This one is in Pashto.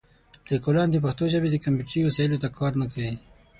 لیکوالان د پښتو ژبې د کمپیوټري وسایلو ته کار نه کوي.